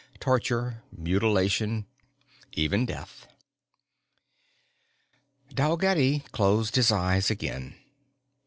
Torture, mutilation, even death. Dalgetty closed his eyes again.